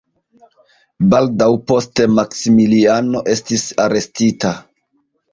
Baldaŭ poste Maksimiliano estis arestita.